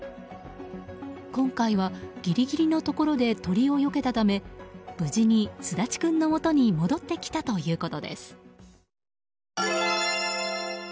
今回はギリギリのところで鳥をよけたため無事にすだちくんのもとに戻ってきたということです。